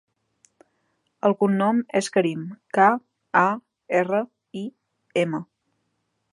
El cognom és Karim: ca, a, erra, i, ema.